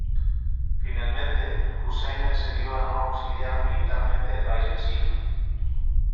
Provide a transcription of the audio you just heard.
Finalmente, Hussein accedió a no auxiliar militarmente al país vecino.